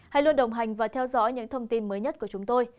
hãy luôn đồng hành và theo dõi những thông tin mới nhất của chúng tôi